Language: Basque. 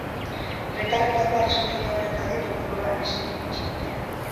Herritarrentzako arriskurik egon ez dadin, ingurua hesiz itxi dute.